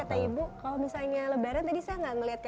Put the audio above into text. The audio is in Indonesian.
kalau misalnya lebaran tadi saya tidak melihat